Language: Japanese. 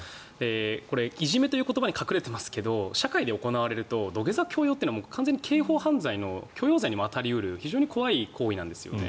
これはいじめという言葉に隠れていますけど社会で行われると土下座強要というのは完全に刑法犯罪の強要罪に当たり得る非常に怖い行為なんですよね。